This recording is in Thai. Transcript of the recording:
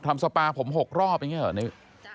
ทำสปาผม๖รอบเงี้ยหรือ